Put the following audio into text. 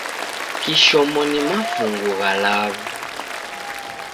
Kishomo ni mafungu gha law'u.